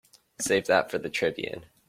Save that for the Tribune.